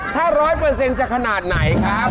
ถ้าร้อยเปอร์เซ็นต์จะขนาดไหนครับ